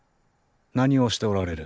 何をしておられる。